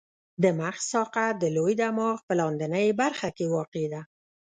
د مغز ساقه د لوی دماغ په لاندنۍ برخه کې واقع ده.